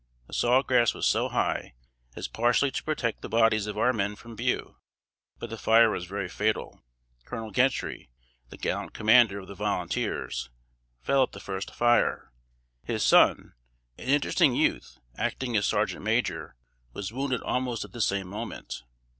The saw grass was so high as partially to protect the bodies of our men from view; but the fire was very fatal. Colonel Gentry, the gallant commander of the volunteers, fell at the first fire; his son, an interesting youth, acting as sergeant major, was wounded almost at the same moment.